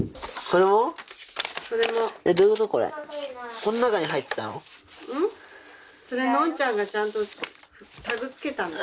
こん中に入ってたの？